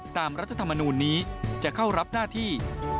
รัฐธรรมนูลนี้จะเข้ารับหน้าที่